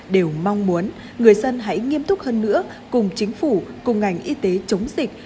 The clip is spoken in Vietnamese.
đều mong muốn người dân hãy nghiêm túc hơn nữa cùng chính phủ cùng ngành y tế chống dịch